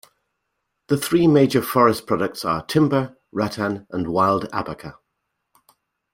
The three major forest products are timber, rattan and wild abaca.